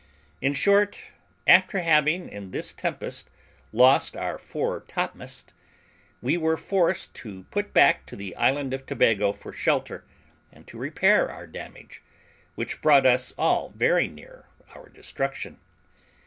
In short, after having in this tempest lost our fore topmast, we were forced to put back to the isle of Tobago for shelter, and to repair our damage, which brought us all very near our destruction.